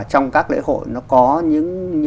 trong các lễ hội nó có những